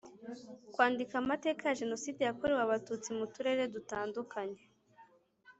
Kwandika amateka ya Jenoside yakorewe Abatutsi mu Turere dutandukanye